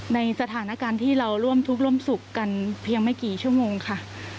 ในสถานการณ์ที่เราร่วมทุกข์ร่วมสุขกันเพียงไม่กี่ชั่วโมงค่ะ